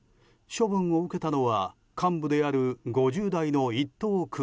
処分を受けたのは幹部である５０代の１等空尉。